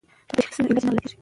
که تشخیص وي نو علاج نه غلطیږي.